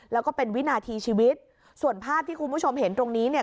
แล้วก็เป็นวินาทีชีวิตส่วนภาพที่คุณผู้ชมเห็นตรงนี้เนี่ย